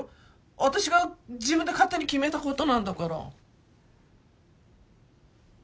私が自分で勝手に決めたことなんだから。